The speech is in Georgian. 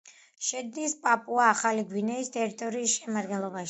შედის პაპუა-ახალი გვინეის ტერიტორიის შემადგენლობაში.